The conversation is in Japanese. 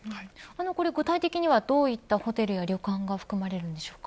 これ具体的にはどういったホテル・旅館が含まれるんでしょうか。